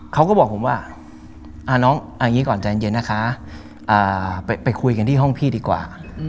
เขาก็บอกผมว่าน้องเอาอย่างนี้ก่อนใจเย็นนะคะไปคุยกันที่ห้องพี่ดีกว่า